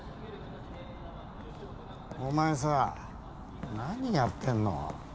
お前さ何やってんの？